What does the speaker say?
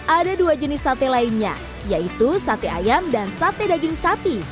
ada dua jenis sate lainnya yaitu sate ayam dan sate daging sapi